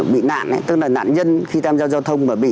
bị nạn tức là nạn nhân khi tham gia giao thông mà bị